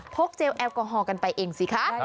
เจลแอลกอฮอลกันไปเองสิคะ